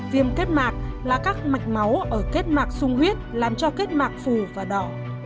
viêm kết mạc là các mạch máu ở kết mạc sung huyết làm cho kết mạc phù và đỏ